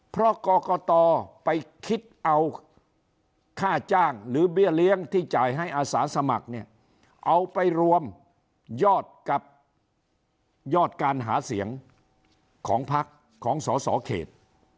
เพราะกรกตไปคิดเอาค่าจ้างหรือเบี้ยเลี้ยงที่จ่ายให้อาสาสมัครเนี่ยเอาไปรวมยอดกับยอดการหาเสียงของพักของสสเขต